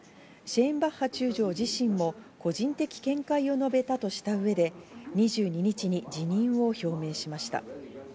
シェーンバッハ中将自身も個人的見解を述べたとした上で２２日に辞任を表明しました。